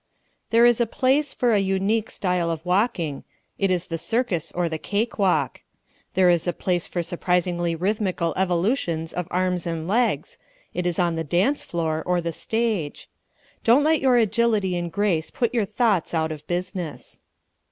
There is a place for a unique style of walking it is the circus or the cake walk; there is a place for surprisingly rhythmical evolutions of arms and legs it is on the dance floor or the stage. Don't let your agility and grace put your thoughts out of business.